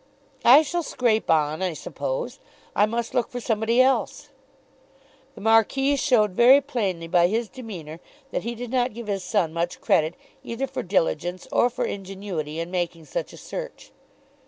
"I shall scrape on, I suppose. I must look for somebody else." The Marquis showed very plainly by his demeanour that he did not give his son much credit either for diligence or for ingenuity in making such a search.